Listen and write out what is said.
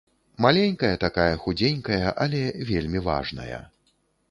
Маленькая такая, худзенькая, але вельмі важная.